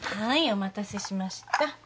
お待たせしました。